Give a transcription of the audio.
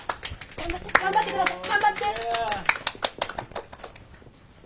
頑張って頑張って下さい頑張って！